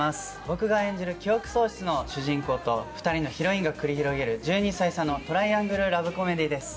僕が演じる記憶喪失の主人公と２人のヒロインが繰り広げる１２歳差のトライアングル・ラブコメディーです。